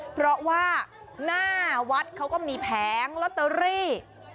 เพราะว่าหน้าวัดเขาก็มีแผงลอตเตอรี่